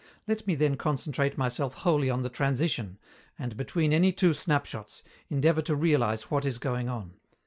Let me then concentrate myself wholly on the transition, and, between any two snapshots, endeavor to realize what is going on.